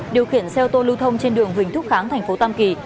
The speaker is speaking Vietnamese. điều khiển xe ô tô lưu thông trên đường huỳnh thúc kháng thành phố tam kỳ